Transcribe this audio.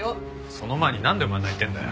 その前になんでお前は泣いてんだよ。